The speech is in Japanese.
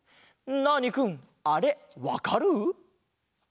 ナーニくんあれわかる？